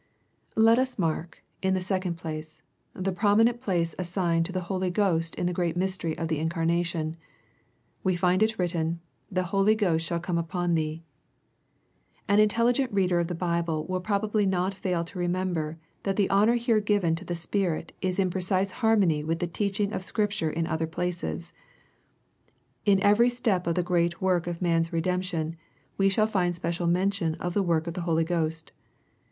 Let us mark, in the second place, the prominent place assigned to the Holy Ghost in the greai mystery of the incarnation. We find it written, "The Holy Ghost shall come upon thee." An intelligent reader of the Bible will probably not fail to remember, that the honor here given to the Spirit is in precise harmony with the teaching of Scripture in other places. In every step of the great work of man's re demption, we shall find* special mention of the work of the Holy Ghost.